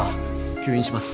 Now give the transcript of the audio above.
吸引します。